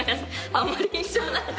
あんまり印象ないです。